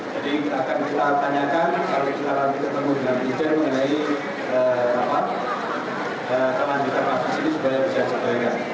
jadi akan kita tanyakan kalau kita lagi ketemu dengan pilihan mengenai kelanjutan kasus ini supaya bisa dikaitkan